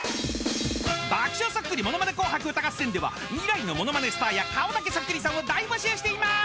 ［『爆笑そっくりものまね紅白歌合戦』では未来のものまねスターや顔だけそっくりさんを大募集しています。